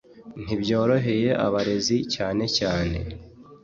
ntibyoroheye abarezi cyane cyane